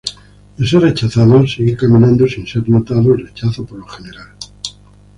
De ser rechazado, sigue caminando sin ser notado el rechazo por lo general.